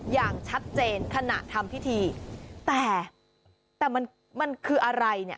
อย่างชัดเจนขณะทำพิธีแต่แต่มันมันคืออะไรเนี่ย